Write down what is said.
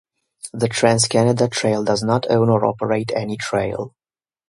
The Trans Canada Trail does not own or operate any trail.